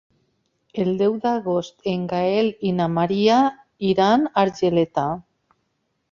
El deu d'agost en Gaël i na Maria iran a Argeleta.